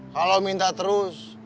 kalau minta terus